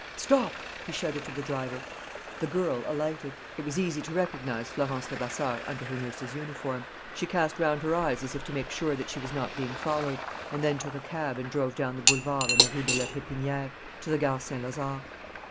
"Stop!" he shouted to the driver. The girl alighted. It was easy to recognize Florence Levasseur under her nurse's uniform. She cast round her eyes as if to make sure that she was not being followed, and then took a cab and drove down the boulevard and the Rue de la Pépinière, to the Gare Saint Lazare.